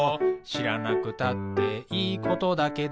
「しらなくたっていいことだけど」